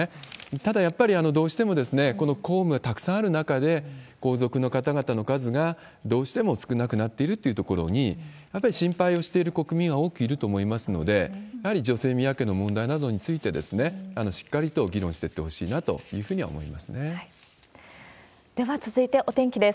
ただやっぱり、どうしてもこの公務がたくさんある中で、皇族の方々の数がどうしても少なくなっているっていうところに、やっぱり心配をしている国民は多くいると思いますので、やはり女性宮家の問題などについて、しっかりと議論していってほしいなとでは続いてお天気です。